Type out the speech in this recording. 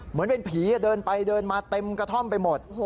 เหมือนเป็นผีเดินไปเดินมาเต็มกระท่อมไปหมด